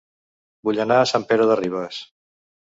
Vull anar a Sant Pere de Ribes